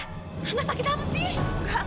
tante sakit apa sih